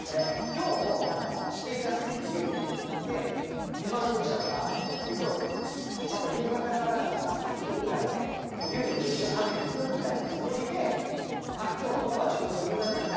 今日も何か試験休みで家でいて暇そうにしてたから今日パパ夕方からだからっつってお昼ぐらいにねお昼でもじゃあ一緒に食べに行く？みたいなつもりで「あっ今日パパ仕事夕方だから」「大丈夫」。